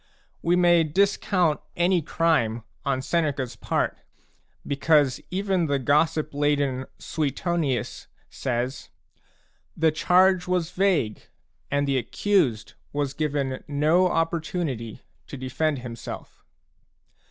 We may discount any crime on Seneca's part because even the gossip laden Suetonius says :" The charge was vague and the accused was given no opportunity to defend himself."